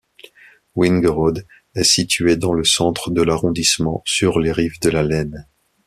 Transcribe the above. Wingerode est située dans le centre de l'arrondissement, sur les rives de la Leine.